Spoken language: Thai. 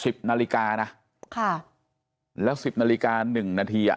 นาฬิกานะค่ะแล้วสิบนาฬิกาหนึ่งนาทีอ่ะ